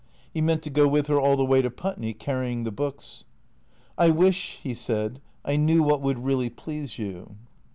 He meant to go with her all the way to Putney, carrying the books. " I wish," he said, " I know what would really please you."